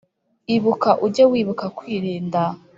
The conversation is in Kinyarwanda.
Ibuka ujye wibuka kwirinda ;